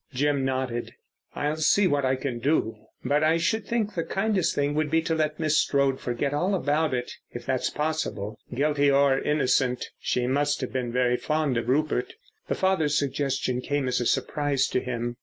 Jim nodded. "I'll see what I can do. But I should think the kindest thing would be to let Miss Strode forget all about it, if that's possible. Guilty or innocent, she must have been very fond of Rupert." His father's suggestion came as a surprise to him.